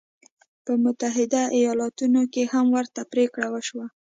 په متحده ایالتونو کې هم ورته پرېکړه وشوه.